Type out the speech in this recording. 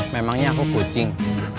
memangnya aku kucing